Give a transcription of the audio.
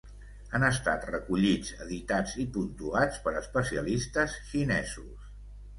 Han estat recollits, editats i puntuats per especialistes xinesos.